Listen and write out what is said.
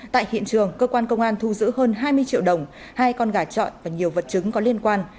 tại hiện trường cơ quan công an thu giữ hơn hai mươi triệu đồng hai con gà trọi và nhiều vật chứng có liên quan